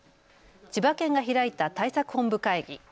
千葉県が開いた対策本部会議。